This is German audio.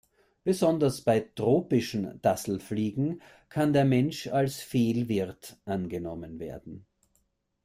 Besonders bei tropischen Dasselfliegen kann der Mensch als Fehlwirt angenommen werden.